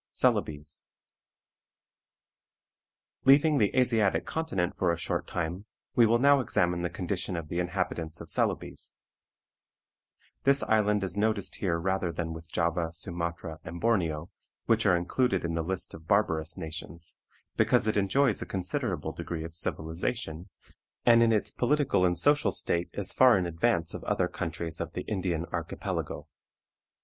CELEBES. Leaving the Asiatic Continent for a short time, we will now examine the condition of the inhabitants of Celebes. This island is noticed here rather than with Java, Sumatra, and Borneo, which are included in the list of barbarous nations, because it enjoys a considerable degree of civilization, and in its political and social state is far in advance of other countries of the Indian Archipelago.